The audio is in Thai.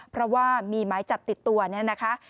เพราะว่ามีหมายจับติดตัวเนี่ยนะคะ